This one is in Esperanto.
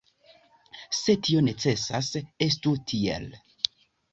Se tio necesas, estu tiel.